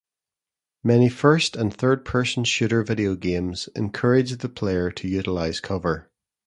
Many first and third-person shooter video games encourage the player to utilize cover.